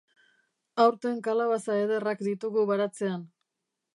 Aurten kalabaza ederrak ditugu baratzean.